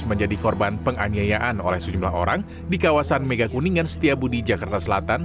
menjadi korban penganiayaan oleh sejumlah orang di kawasan megakuningan setiabudi jakarta selatan